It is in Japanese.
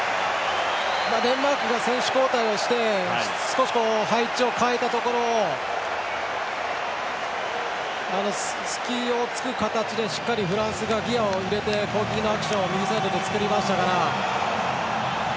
デンマークが選手交代をして少し配置を変えたところをその隙を突く形でしっかりフランスがギヤを入れて攻撃のアクションを右サイドで作りましたから。